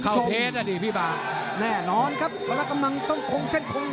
เข้าเพชรอ่ะดิพี่บ้าง